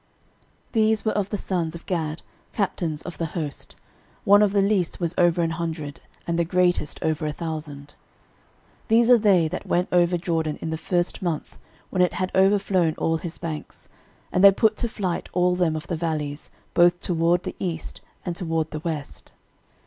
13:012:014 These were of the sons of Gad, captains of the host: one of the least was over an hundred, and the greatest over a thousand. 13:012:015 These are they that went over Jordan in the first month, when it had overflown all his banks; and they put to flight all them of the valleys, both toward the east, and toward the west.